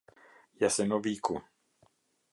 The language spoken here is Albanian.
Jasenoviku